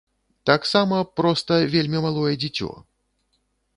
Таксама, проста, вельмі малое дзіцё.